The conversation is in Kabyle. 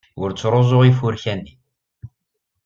Ur ttruẓu ifurka-nni.